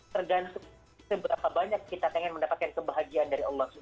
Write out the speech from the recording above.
tergantung seberapa banyak kita ingin mendapatkan kebahagiaan dari allah swt